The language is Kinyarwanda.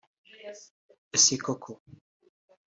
Ese koko